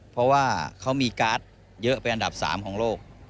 เพราะว่าเขามีการ์ดเยอะเป็นอันดับ๓ของโลก